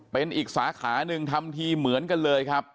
เป็นอีกสาขาหนึ่งทำทีเหมือนกันเลยครับ